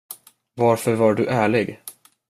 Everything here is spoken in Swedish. Varför var du ärlig?